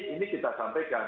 ini kita sampaikan